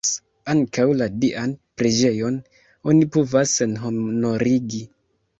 Ankaŭ la Dian preĝejon oni povas senhonorigi!